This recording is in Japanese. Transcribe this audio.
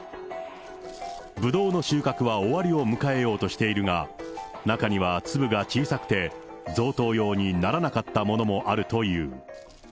ブドウの収穫は終わりを迎えようとしているが、中には粒が小さくて贈答用にならなかったものもあるという。